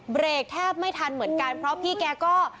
เบรกแทบไม่ทันเหมือนกันเพราะพี่แกก็